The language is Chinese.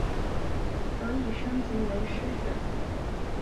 可以升级为狮子。